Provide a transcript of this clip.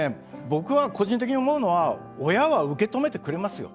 僕は個人的に思うのは親は受け止めてくれますよ。